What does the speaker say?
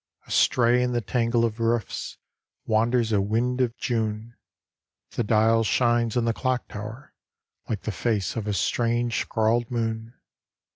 Astray in the tangle of roofs Wanders a wind of June. The dial shines in the clock tower Like the face of a strange scrawled moon.